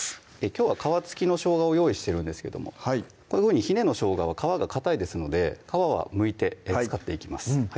きょうは皮付きのしょうがを用意してるんですけどもこういうふうにひねのしょうがは皮がかたいですので皮はむいて使っていきます